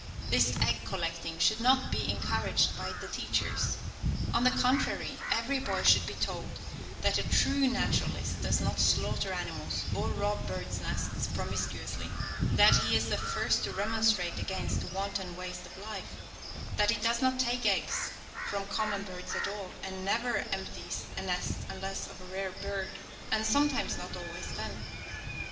This egg collecting should not be encouraged by the teachers. On the contrary every boy should be told that a true naturalist does not slaughter animals, or rob birds' nests promiscuously; that he is the first to remonstrate against wanton waste of life; that he does not take eggs of common birds at all, and never empties a nest unless of a rare bird, and sometimes not always then.